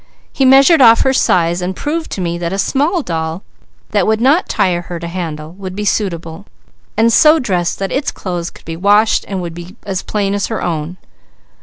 He measured off her size and proved to me that a small doll, that would not tire her to handle, would be suitable, and so dressed that its clothes could be washed and would be plain as her own.